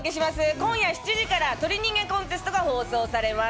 今夜７時から『鳥人間コンテスト』が放送されます。